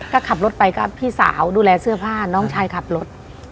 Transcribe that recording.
ก็ขับรถไปก็พี่สาวดูแลเสื้อผ้าน้องชายขับรถ